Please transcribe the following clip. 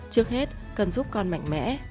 trước hết cần giúp con mạnh mẽ